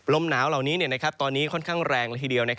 ลมหนาวเหล่านี้ตอนนี้ค่อนข้างแรงละทีเดียว